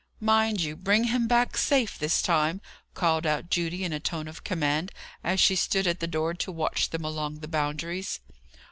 "Mind you bring him back safe this time!" called out Judy in a tone of command, as she stood at the door to watch them along the Boundaries.